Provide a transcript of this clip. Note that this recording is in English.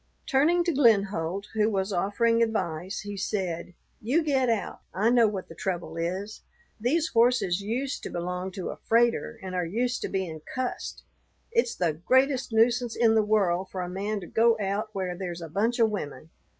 Turning to Glenholdt, who was offering advice, he said, "You get out. I know what the trouble is: these horses used to belong to a freighter and are used to being cussed. It's the greatest nuisance in the world for a man to go out where there's a bunch of women.